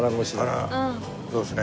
腹そうですね。